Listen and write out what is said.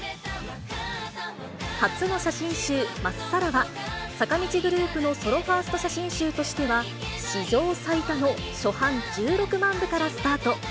初の写真集、まっさらは、坂道グループのソロファースト写真集としては史上最多の初版１６万部からスタート。